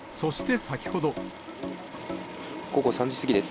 午後３時過ぎです。